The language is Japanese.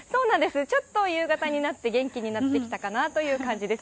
ちょっと夕方になって、元気になってきたかなという感じが。